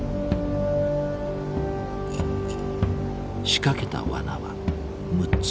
仕掛けたワナは６つ。